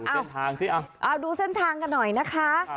เส้นทางสิเอาดูเส้นทางกันหน่อยนะคะ